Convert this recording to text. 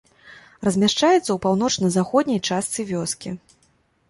Размяшчаецца ў паўночна-заходняй частцы вёскі.